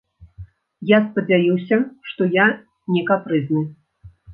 Я спадзяюся, што я не капрызны.